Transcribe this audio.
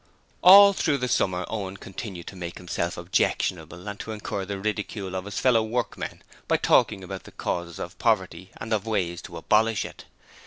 All through the summer Owen continued to make himself objectionable and to incur the ridicule of his fellow workmen by talking about the causes of poverty and of ways to abolish it.